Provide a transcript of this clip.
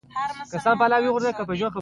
زه د چرګو غږ نه خوښوم.